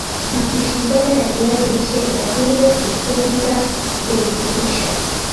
Mapishi Bora ya Viazi lishe yatunze kutunza virutubisho